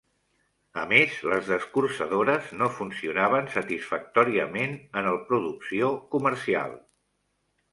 A més, les descorçadores no funcionaven satisfactòriament en el producció comercial.